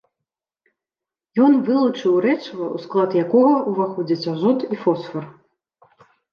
Ён вылучыў рэчыва, у склад якога ўваходзяць азот і фосфар.